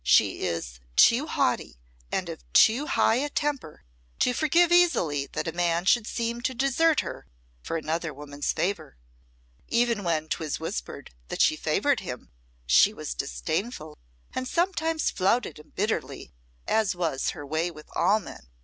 "She is too haughty and of too high a temper to forgive easily that a man should seem to desert her for another woman's favour. Even when 'twas whispered that she favoured him, she was disdainful, and sometimes flouted him bitterly, as was her way with all men.